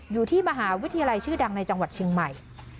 อยู่ที่มหาวิทยาลัยชื่อดังในจังหวัดเชียงใหม่